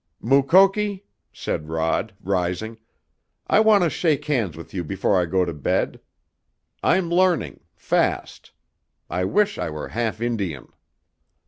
"Mukoki," said Rod, rising, "I want to shake hands with you before I go to bed. I'm learning fast. I wish I were half Indian!"